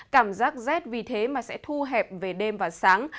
cảm giác rét vì thế mà sẽ thu hẹp về đêm và sáng